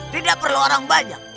tidak perlu orang banyak